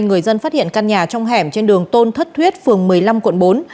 người dân phát hiện căn nhà trong hẻm trên đường tôn thất thuyết phường một mươi năm quận bốn